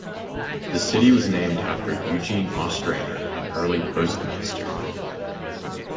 The city was named after Eugene Ostrander, an early postmaster.